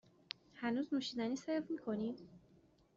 هنوز نوشیدنی سرو می کنید؟